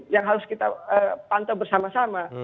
yang harus kita pantau bersama sama